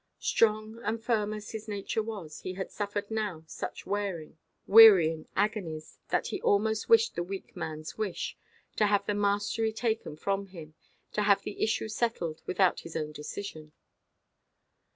Strong and firm as his nature was, he had suffered now such wearing, wearying agonies, that he almost wished the weak manʼs wish—to have the mastery taken from him, to have the issue settled without his own decision.